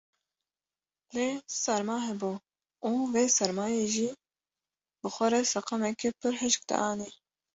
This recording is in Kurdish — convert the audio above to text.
Lê serma hebû û vê sermayê jî bi xwe re seqemeke pir hişk dianî.